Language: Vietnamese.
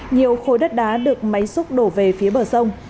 nhiều khối đất đá được máy xúc đổ về phía bờ sông